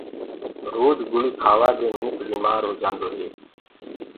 روج گُݪي کهآوآ دي منک بيمآر هوجآندو هي۔